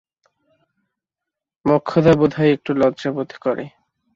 মোক্ষদা বোধহয় একটু লজ্জাবোধ করে।